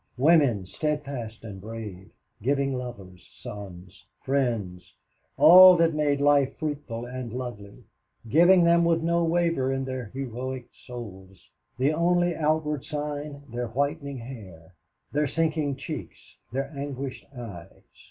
Women, steadfast and brave, giving lovers, sons, friends all that made life fruitful and lovely giving them with no waver in their heroic souls, the only outward sign their whitening hair, their sinking cheeks, their anguished eyes.